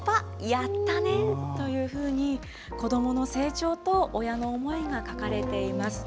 やったねというふうに、子どもの成長と親の思いが書かれています。